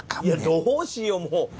いやどうしよう？